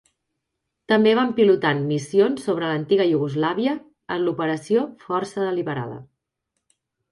També van pilotar en missions sobre l'antiga Iugoslàvia en l'operació Força Deliberada.